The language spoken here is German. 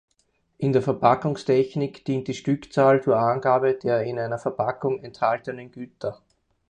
In der Verpackungstechnik dient die Stückzahl zur Angabe der in einer Verpackung enthaltenen Güter.